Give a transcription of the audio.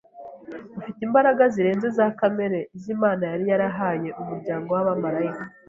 ufite imbaraga zirenze iza kamere, izo Imana yari yarahaye umuryango w’abamarayika